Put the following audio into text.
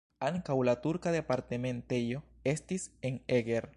Ankaŭ la turka departementejo estis en Eger.